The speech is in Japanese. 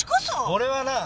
俺はなあ